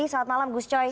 selamat malam gus coy